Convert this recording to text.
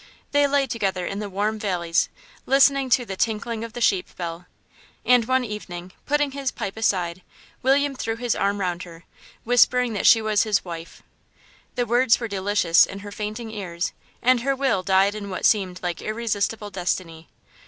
They lay together in the warm valleys, listening to the tinkling of the sheep bell, and one evening, putting his pipe aside, William threw his arm round her, whispering that she was his wife. The words were delicious in her fainting ears, and her will died in what seemed like irresistible destiny.